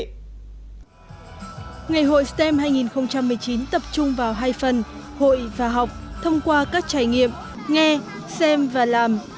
ngày hội stem hai nghìn một mươi chín tập trung vào hai phần hội và học thông qua các trải nghiệm nghe xem và làm